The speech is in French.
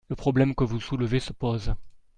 Le problème que vous soulevez se pose.